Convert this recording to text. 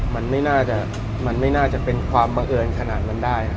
มันไม่น่าจะมันไม่น่าจะเป็นความบังเอิญขนาดนั้นได้